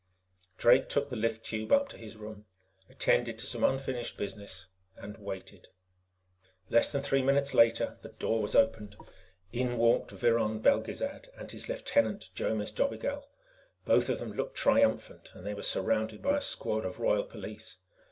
Drake took the lift tube up to his room, attended to some unfinished business, and waited. Less than three minutes later, the door was opened. In walked Viron Belgezad and his lieutenant, Jomis Dobigel. Both of them looked triumphant, and they were surrounded by a squad of Royal Police.